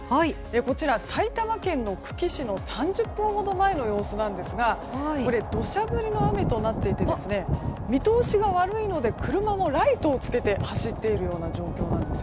こちら、埼玉県久喜市の３０分ほど前の様子ですがこれ土砂降りの雨となっていて見通しが悪いので車もライトをつけて走っているような状況なんです。